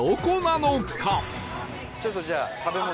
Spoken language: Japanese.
ちょっとじゃあ食べ物。